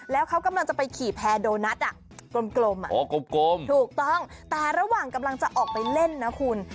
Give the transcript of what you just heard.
แล้วเขากำลังจะไปขี่แพรโดนัทกลมถูกต้องแต่ระหว่างกำลังจะออกไปเล่นนะคุณ